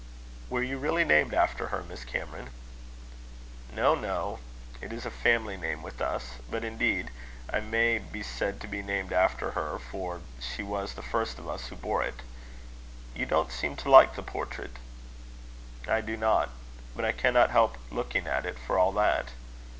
"Were you really named after her, Miss Cameron?" "No, no. It is a family name with us. But, indeed, I may be said to be named after her, for she was the first of us who bore it. You don't seem to like the portrait." "I do not; but I cannot help looking at it, for all that."